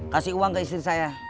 kasih uang ke istri saya